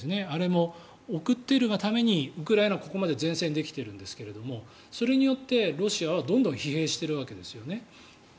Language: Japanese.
あれも送っているがためにウクライナはここまで善戦できているんですがそれによってロシアはどんどん疲弊しているわけですよね。